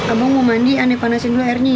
abang mau mandi aneh panasin dulu airnya ya